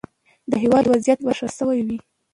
د هیواد وضعیت به ښه شوی وي.